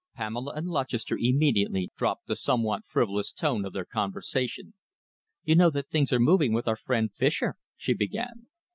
Pamela and Lutchester immediately dropped the somewhat frivolous tone of their conversation. "You know that things are moving with our friend Fischer?" she began.